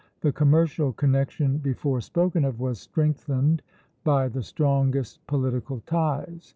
The commercial connection before spoken of "was strengthened by the strongest political ties.